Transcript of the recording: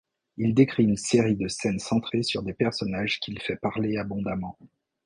Il décrit une série de scènes centrées sur des personnages qu’il fait parler abondamment.